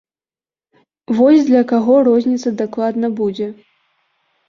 Вось для каго розніца дакладна будзе.